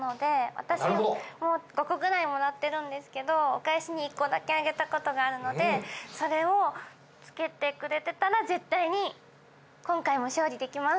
私も５個ぐらいもらってるんですけどお返しに１個だけあげた事があるのでそれをつけてくれてたら絶対に今回も勝利できます。